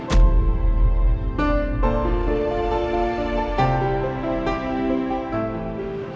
saya mau ngantar gaun buat putri